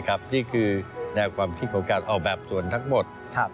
อันนี้คือแนวความคิดว่าออกแบบสวนทั้งหมด